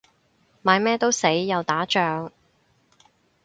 買乜都死，又打仗